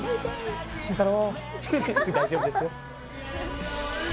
慎太郎！